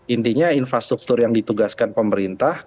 intinya infrastruktur yang ditugaskan pemerintah